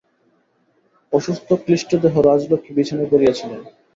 অসুস্থ ক্লিষ্টদেহ রাজলক্ষ্মী বিছানায় পড়িয়া ছিলেন।